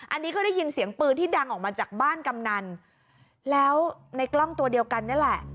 อันนี้ก็ได้ยินเสียงปืนที่ดังออกมาจากบ้านกำนันแล้วในกล้องตัวเดียวกันนี่แหละ